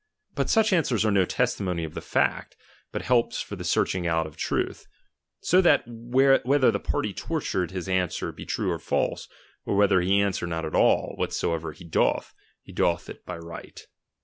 But such answers are no testimony of the fact, but helps for the search ing out of truth ; so that whether the party tortured his answer be true or false, or whether he answer not at all, whatsoever he doth, he doth it by right.